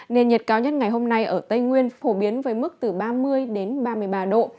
nền nhiệt cao nhất ngày hôm nay ở tây nguyên phổ biến với mức từ ba mươi đến ba mươi ba độ